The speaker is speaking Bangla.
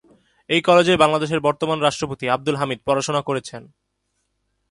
এই কলেজে বাংলাদেশের বর্তমান রাষ্ট্রপতি আব্দুল হামিদ পড়াশোনা করেছেন।